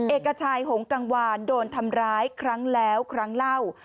เอกชายหงกังวานโดนทำร้ายครั้งแล้วครั้งเล่า